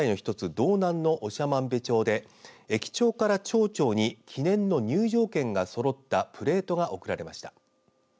道南の長万部町で駅長から町長に記念の入場券がそろったプレートが贈られました。